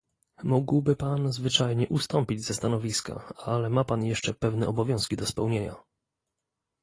Mógłby pan zwyczajnie ustąpić ze stanowiska, ale ma pan jeszcze pewne obowiązki do spełnienia